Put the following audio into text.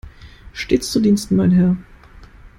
Stets zu Diensten, mein Herr!